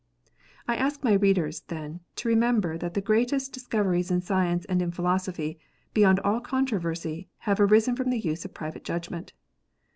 I ask my readers, then, to remember that the greatest dis coveries in science and in philosophy, beyond all controversy, have arisen from the use of private judgment.